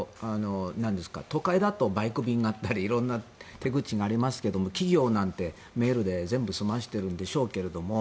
都会だとバイク便があったり色々な手口がありますけど企業なんてメールで全部済ませているんでしょうけど。